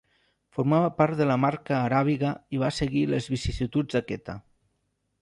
Formava part de la Marca Aràbiga i va seguir les vicissituds d'aquesta.